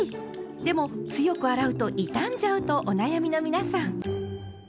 でも強く洗うと傷んじゃうとお悩みの皆さん。